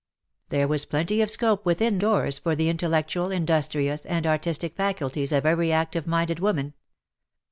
There was plenty of scope withui 214 WAR AND WOMEN doors for the intellectual, industrious and artistic faculties of every active minded woman.